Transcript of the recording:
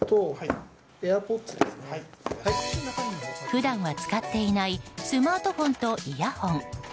普段は使っていないスマートフォンとイヤホン。